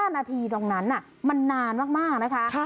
๕นาทีตรงนั้นมันนานมากนะคะ